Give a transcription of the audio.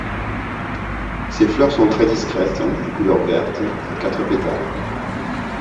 Ses fleurs sont très discrètes, de couleur verte, à quatre pétales.